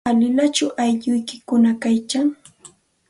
¿Alilachu aylluykikuna kaykan?